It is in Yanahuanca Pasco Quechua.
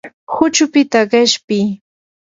huchupita qishpi.